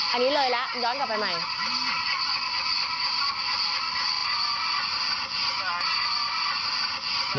อันนี้เลยแล้วย้อนกลับไปใหม่